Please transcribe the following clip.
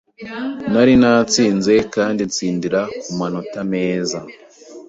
Nari natsinze, kandi nsindira ku manota meza.